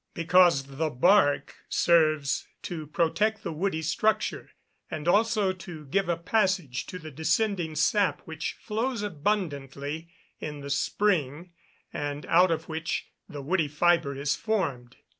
_ Because the bark serves to protect the woody structure, and also to give a passage to the descending sap which flows abundantly in the spring, and out of which the woody fibre is formed.